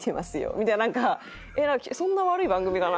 みたいななんかそんな悪い番組かな？